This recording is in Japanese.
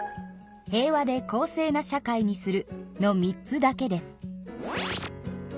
「平和で公正な社会にする」の３つだけです。